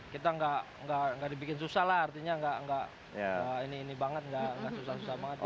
kita nggak dibikin susah lah artinya nggak ini ini banget nggak susah susah banget